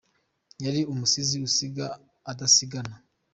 Yari umusizi usiga adasigana